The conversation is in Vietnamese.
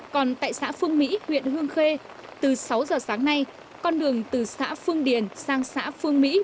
còn tại xã phương mỹ huyện hương khê từ sáu giờ sáng nay con đường từ xã phương điền sang xã phương mỹ